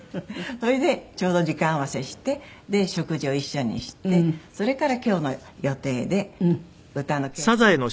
それでちょうど時間合わせして食事を一緒にしてそれから今日の予定で歌の稽古に行くとか。